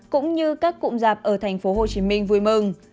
cũng như các cụm giảm ở tp hcm vui mừng